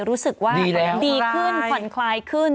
รู้สึกว่าดีขึ้นผ่อนคลายขึ้น